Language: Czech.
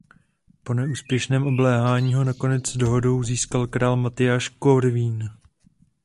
Po neúspěšném obléhání ho nakonec dohodou získal král Matyáš Korvín.